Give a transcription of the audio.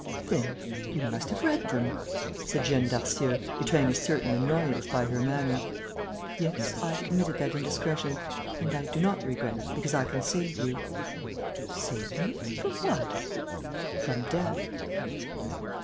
"Then ... you must have read them," said Jeanne Darcieux, betraying a certain annoyance by her manner. "Yes, I committed that indiscretion; and I do not regret it, because I can save you." "Save me? From what?" "From death."